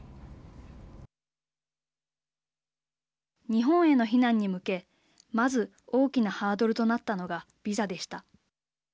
日本への避難に向けまず大きなハードルとなったのがビザでした。